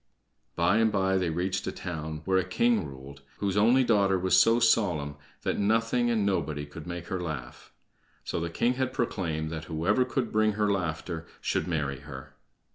By and by they reached a town where a king ruled whose only daughter was so solemn that nothing and nobody could make her laugh. So the king had proclaimed that whoever could bring her laughter should marry her.